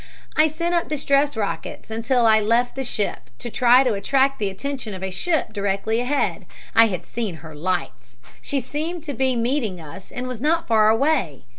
"I sent up distress rockets until I left the ship, to try to attract the attention of a ship directly ahead. I had seen her lights. She seemed to be meeting us and was not far away.